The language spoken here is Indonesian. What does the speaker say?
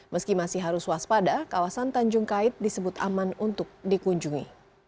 meski masih harus waspada kawasan tanjung kait disebut aman untuk dikunjungi